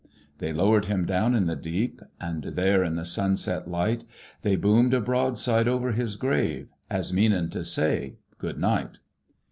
"They lowered him down in the deep, And there in the sunset light They boomed a broadside over his grave, As meanin' to say 'Good night.'